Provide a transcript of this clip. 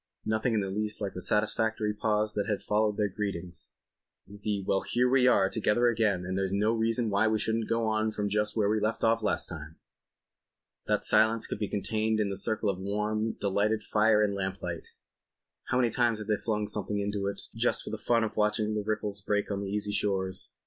Nothing in the least like the satisfactory pause that had followed their greetings—the "Well, here we are together again, and there's no reason why we shouldn't go on from just where we left off last time." That silence could be contained in the circle of warm, delightful fire and lamplight. How many times hadn't they flung something into it just for the fun of watching the ripples break on the easy shores.